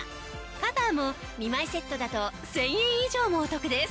カバーも２枚セットだと１０００円以上もお得です。